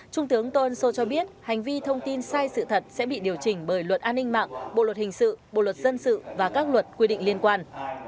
trung tướng tôn sô cho biết hành vi thông tin sai sự thật sẽ bị điều chỉnh bởi luật an ninh mạng bộ luật hình sự bộ luật dân sự và các luật quy định liên quan